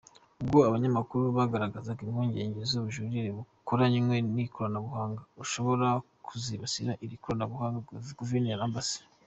Ubwo abanyamakuru bagaragazaga impungenge z’ubujura bukoranywe ikoranabuhanga bushobora kuzibasira iri koranabuhanga, Guverineri Amb.